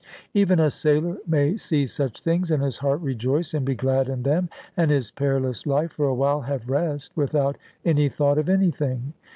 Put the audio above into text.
Even a sailor may see such things, and his heart rejoice and be glad in them, and his perilous life for a while have rest without any thought of anything.